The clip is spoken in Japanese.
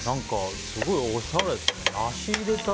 すごいおしゃれですね。